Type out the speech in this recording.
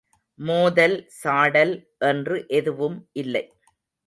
மோதல் சாடல் என்று எதுவும் இல்லை.